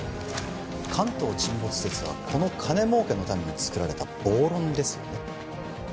関東沈没説はこの金儲けのためにつくられた暴論ですよね